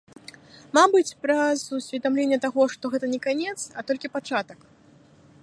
Мабыць, праз усведамленне таго, што гэта не канец, а толькі пачатак.